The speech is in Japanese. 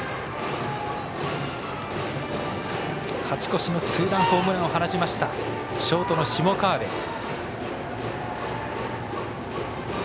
勝ち越しのツーランホームランを放ちましたショートの下川邊。